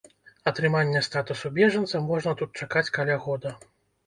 Атрымання статусу бежанца можна тут чакаць каля года.